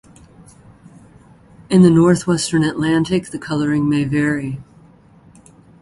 In the northwestern Atlantic the colouring may vary.